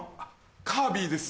カービィです。